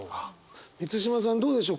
満島さんどうでしょう？